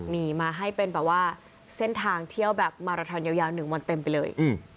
นี่มาให้เป็นแบบว่าเส้นทางเที่ยวแบบมาราทอนยาว๑วันเต็มไปเลย